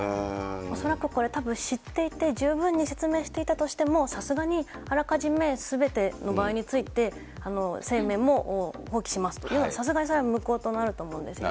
恐らくこれ、たぶん知っていて、十分に説明していたとしても、さすがにあらかじめすべての場合について、生命も放棄しますと、さすがにそれは無効となると思うんですよね。